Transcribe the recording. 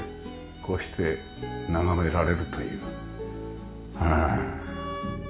こうして眺められるという。